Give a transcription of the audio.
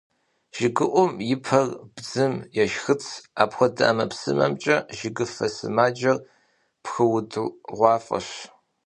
ЖыгыуӀум и пэр бдзым ещхыц, апхуэдэ ӀэмэпсымэмкӀэ жыгыфэ сымаджэр пхыудыгъуафӀэщ.